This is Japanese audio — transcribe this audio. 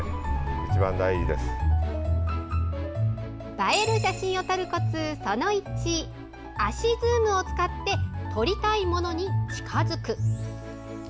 映える写真を撮るコツその１、足ズームを使って撮りたいものに近づく。